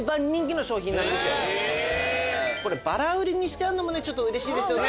バラ売りにしてあるのもうれしいですよね。